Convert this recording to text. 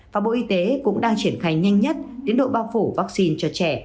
và bộ y tế cũng đang triển khai nhanh nhất tiến độ bao phủ vaccine cho trẻ